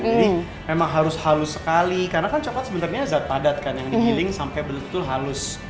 jadi memang harus halus sekali karena kan coklat sebenarnya zat padat kan yang diiling sampai betul betul halus